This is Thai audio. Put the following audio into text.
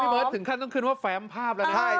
เบิร์ตถึงขั้นต้องขึ้นว่าแฟมภาพแล้วนะ